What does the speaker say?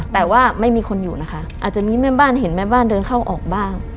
แต่ว่าไม่มีคนอยู่นะคะอาจจะมีแม่บ้านเห็นแม่บ้านเดินเข้าออกบ้าง